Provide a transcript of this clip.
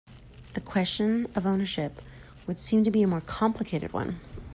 The question of ownership would seem to be a more complicated one.